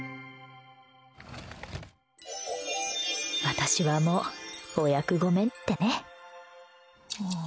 私はもう、お役御免ってね。